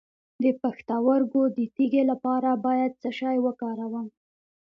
د پښتورګو د تیږې لپاره باید څه شی وکاروم؟